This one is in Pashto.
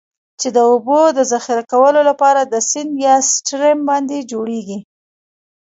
چې د اوبو د ذخیره کولو لپاره د سیند یا Stream باندی جوړیږي.